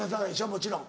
もちろん。